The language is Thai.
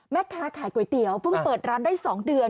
แม่ค้าขายก๋วยเตี๋ยวเพิ่งเปิดร้านได้๒เดือน